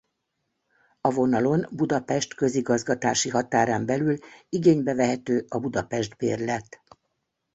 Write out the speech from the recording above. A vonalon Budapest közigazgatási határán belül igénybe vehető a Budapest-bérlet.